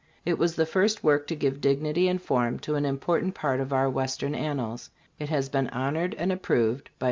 It was the first work to give dignity and form to an important part of our western annals. It has been honored and approved by.